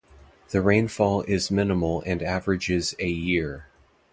The rainfall is minimal and averages a year.